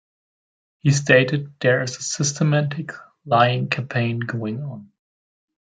He stated, There is a systematic lying campaign going on...